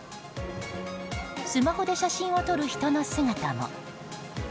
スマホで写真を撮る人の姿も。